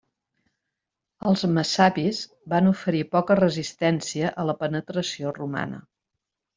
Els messapis van oferir poca resistència a la penetració romana.